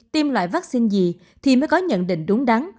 tiêm loại vaccine gì thì mới có nhận định đúng đắn